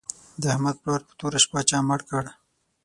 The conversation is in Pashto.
د احمد پلار په توره شپه چا مړ کړ